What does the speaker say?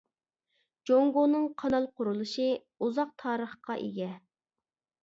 جۇڭگونىڭ قانال قۇرۇلۇشى ئۇزاق تارىخقا ئىگە.